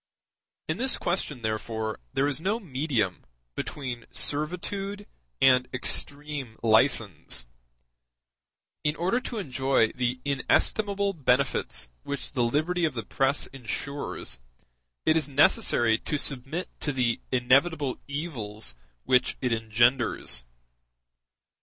In this question, therefore, there is no medium between servitude and extreme license; in order to enjoy the inestimable benefits which the liberty of the press ensures, it is necessary to submit to the inevitable evils which it engenders.